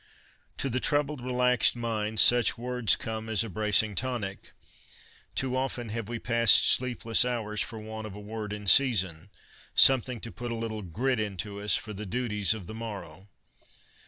To the troubled, relaxed mind such words come as a bracing tonic. Too often have we passed sleepless hours for the want of a word in season — something to put a little ' grit ' into us for the duties of the morrow.